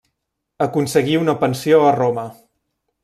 Aconseguí una pensió a Roma.